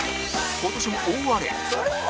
今年も大荒れ！